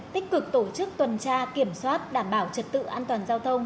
tích cực tổ chức tuần tra kiểm soát đảm bảo trật tự an toàn giao thông